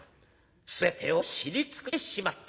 「全てを知り尽くしてしまった。